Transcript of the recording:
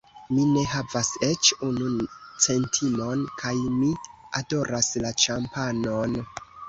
Mi ne havas eĉ unu centimon kaj mi adoras la ĉampanon.